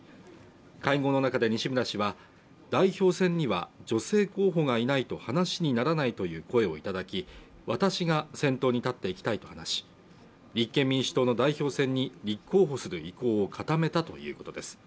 会合の中で西村氏は代表選には、女性候補がいないと話にならないという声をいただき、私が先頭に立っていきたいと話し、立憲民主党の代表選に立候補する意向を固めたということです。